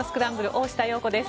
大下容子です。